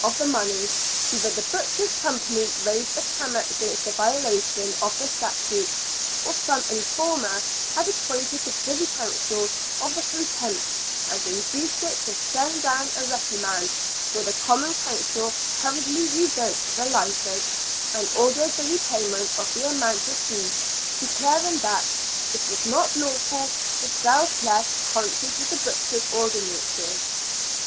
of the money, either the Butchers' Company raised a clamour against the violation of their statutes, or some informer had acquainted the Privy Council of the contempt and induced it to send down a reprimand, for the Common Council hurriedly revoked the licence, and ordered the repayment of the amount received, declaring that " it was not lawful to sell flesh contrary to the butchers' ordinances."